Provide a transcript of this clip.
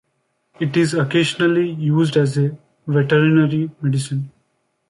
It is occasionally used as a veterinary medicine.